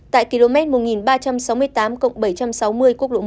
tại km một nghìn ba trăm sáu mươi tám bảy trăm sáu mươi quốc lộ một